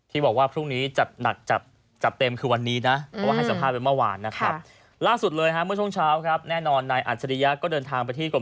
ที่บอกว่าพรุ่งนี้จัดหนักจัดเต็มคือวันนี้นะ